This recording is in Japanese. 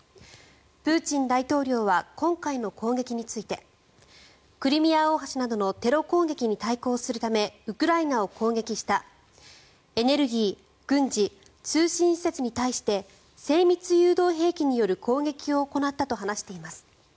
プーチン大統領は今回の攻撃についてクリミア大橋などのテロ攻撃に対抗するためウクライナを攻撃したエネルギー軍事、通信施設に対して精密誘導兵器による攻撃を行ったと話しています。